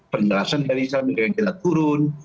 penjelasan dari salmi renggila turun